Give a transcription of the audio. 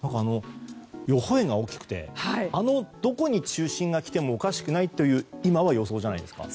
予報円が大きくてどこに中心が来てもおかしくないという今は予想じゃないですか。